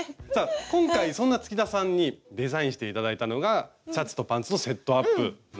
今回そんな月田さんにデザインして頂いたのがシャツとパンツのセットアップなんですよ。